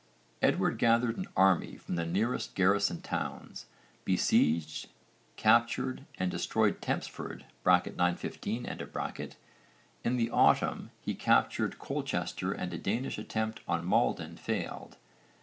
Edward gathered an army from the nearest garrison towns, besieged, captured, and destroyed Tempsford (915). In the autumn he captured Colchester and a Danish attempt on Maldon failed.